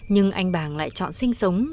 nhưng anh bàng lại chọn sinh sống